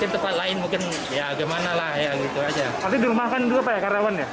berarti dirumahkan dulu karyawan ya